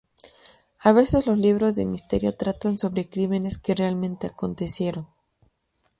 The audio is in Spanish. A veces los libros de misterio tratan sobre crímenes que realmente acontecieron.